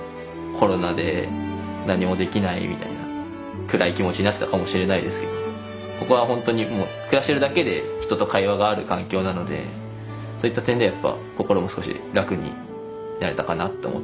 コロナで何もできないみたいな暗い気持ちになってたかもしれないですけどここはほんとにもう暮らしてるだけで人と会話がある環境なのでそういった点ではやっぱ心も少し楽になれたかなって思ってます。